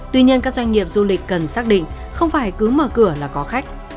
tuy nhiên các doanh nghiệp du lịch cần xác định không phải cứ mở cửa là có khách